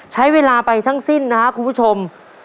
ใช้เวลาไปทั้งสิ้นนะครับคุณผู้ชม